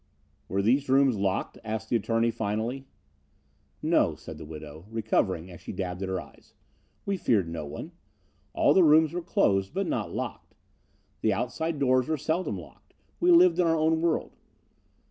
"Were these rooms locked?" asked the attorney finally. "No," said the widow, recovering, as she dabbed at her eyes. "We feared no one. All the rooms were closed, but not locked. The outside doors were seldom locked. We lived in our own world.